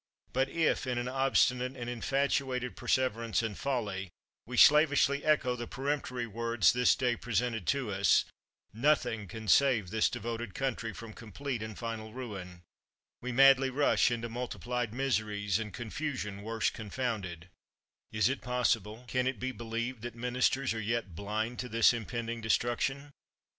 But if, in an obstinate and infatuated perseverance in folly, we sla vishly echo the peremptory words this day pre sented to us, nothing can save this devoted coun try from complete and final ruin. We madly rush into multiplied miseries, and ''confusion worse confounded." 223 THE WORLD'S FAMOUS ORATIONS Is it possible, can it be believed, that minis ters are yet blind to this impending destruction